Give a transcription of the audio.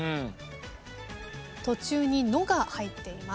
途中に「の」が入っています。